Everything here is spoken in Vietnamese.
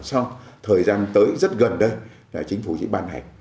sau thời gian tới rất gần đây chính phủ sẽ bàn hạch